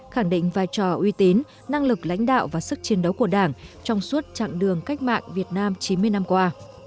khẳng định vai trò uy tín năng lực lãnh đạo và sức chiến đấu của đảng trong suốt chặng đường cách mạng việt nam chín mươi năm qua